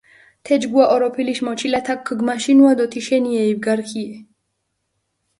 თეჯგუა ჸოროფილიშ მოჩილათაქ ქჷგმაშინუა დო თიშენიე იბგარქიე.